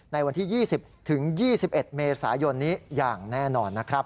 ในวันที่๒๐ถึง๒๑เมษายนนี้อย่างแน่นอนนะครับ